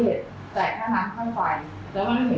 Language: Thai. แล้วก็ให้เรากดแล้วก็เข้า๗๑๑ทางที